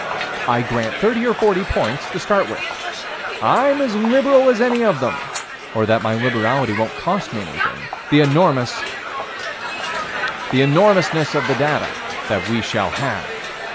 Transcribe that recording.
I grant thirty or forty points to start with. I'm as liberal as any of them or that my liberality won't cost me anything the enormousness of the data that we shall have.